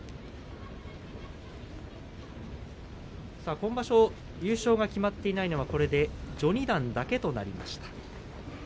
今場所、優勝が決まっていないのはこれで序二段だけとなりました。